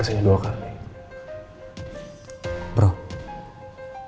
kita jangan nah musik nih kita